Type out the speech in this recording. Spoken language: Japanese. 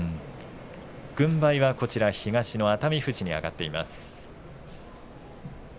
軍配は東の熱海富士に上がっています。